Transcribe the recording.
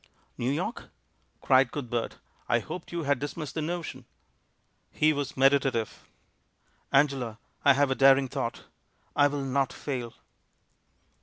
"New York?" cried Cuthbert. "I hoped you had dismissed the notion." He was meditative. "Angela, I have a daring thought! I will not fail."